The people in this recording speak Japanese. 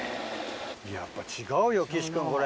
やっぱ違うよ、岸君、これ。